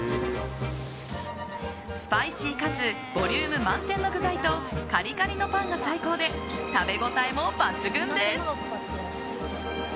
スパイシーかつボリューム満点の具材とカリカリのパンが最高で食べ応えも抜群です。